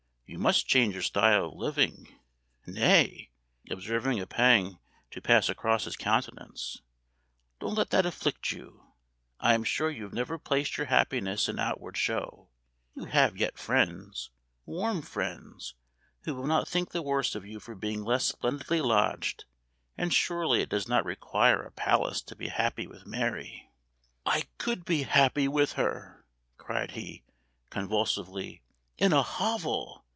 You must change your style of living nay," observing a pang to pass across his countenance, "don't let that afflict you. I am sure you have never placed your happiness in outward show you have yet friends, warm friends, who will not think the worse of you for being less splendidly lodged: and surely it does not require a palace to be happy with Mary " "I could be happy with her," cried he, convulsively, "in a hovel!